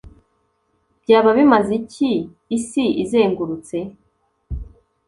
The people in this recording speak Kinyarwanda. Byaba bimaze iki isi izengurutse